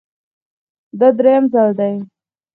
دا درېیم ځل دی